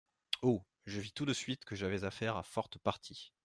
Oh ! je vis tout de suite que j’avais affaire à forte partie…